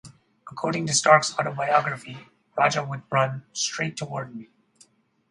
According to Stark's autobiography, Rajah would run straight toward me.